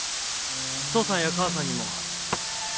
父さんや母さんにも。